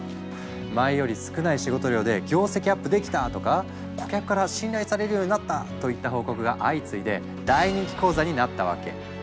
「前より少ない仕事量で業績アップできた！」とか「顧客から信頼されるようになった！」といった報告が相次いで大人気講座になったわけ。